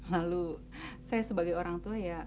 lalu saya sebagai orang tua ya